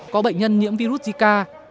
có bệnh nhân nhiễm virus zika